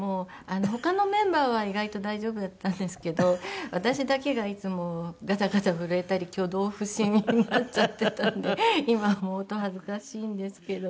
他のメンバーは意外と大丈夫だったんですけど私だけがいつもガタガタ震えたり挙動不審になっちゃってたんで今思うと恥ずかしいんですけど。